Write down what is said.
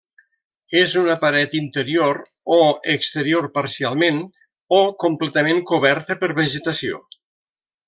És una paret interior o exterior parcialment o completament coberta per vegetació.